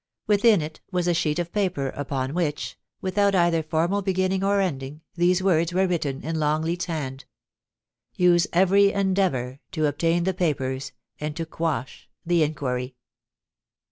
Within it was a sheet of paper, upon which, with out either formal beginning or ending, these words were written in Longleat's hand :* Use every endeavour to obtain the papers and to quash the inquiry.'